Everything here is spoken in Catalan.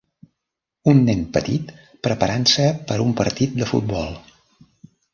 Un nen petit preparant-se per un partit de futbol.